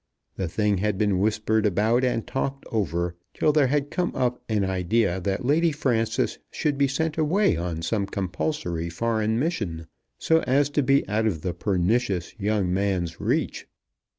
The thing had been whispered about and talked over, till there had come up an idea that Lady Frances should be sent away on some compulsory foreign mission, so as to be out of the pernicious young man's reach.